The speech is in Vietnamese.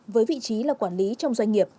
với vị trí là quản lý trong doanh nghiệp